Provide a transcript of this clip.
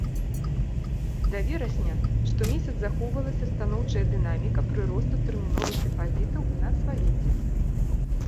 Да верасня штомесяц захоўвалася станоўчая дынаміка прыросту тэрміновых дэпазітаў у нацвалюце.